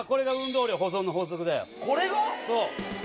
そう。